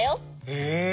へえ。